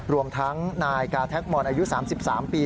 รวมทั้งนายกาแท็กมอนอายุ๓๓ปี